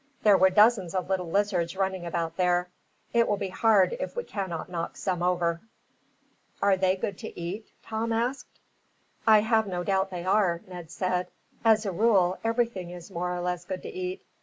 There were dozens of little lizards running about there, it will be hard if we cannot knock some over." "Are they good to eat?" Tom asked. "I have no doubt they are," Ned said. "As a rule, everything is more or less good to eat.